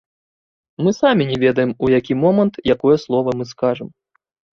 Мы самі не ведаем, у які момант якое слова мы скажам.